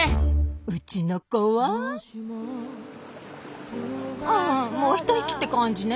うちの子はうんもう一息って感じね。